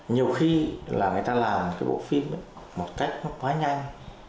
nhiều khi là người ta làm cái bộ phim một cách nó quá nhanh